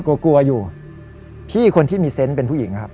กลัวกลัวอยู่พี่คนที่มีเซนต์เป็นผู้หญิงครับ